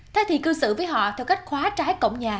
thế thì cư xử với họ theo cách khóa trái cổng nhà